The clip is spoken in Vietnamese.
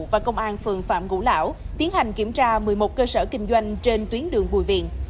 và công an phường phạm ngũ lão tiến hành kiểm tra một mươi một cơ sở kinh doanh trên tuyến đường bùi viện